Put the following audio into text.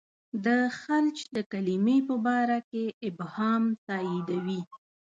د خلج د کلمې په باره کې ابهام تاییدوي.